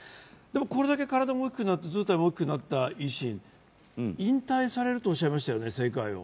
これだけ体も大きくなって図体も大きくなった維新引退されるとおっしゃいましたよね、政界を。